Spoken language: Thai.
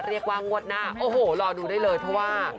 เรียกว่างวดหน้าโอ้โหรอดูได้เลยเพราะว่า